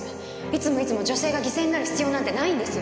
いつもいつも女性が犠牲になる必要なんてないんです。